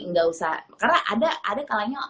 nggak usah karena ada ada kalanya